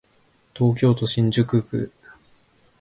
東京都新宿区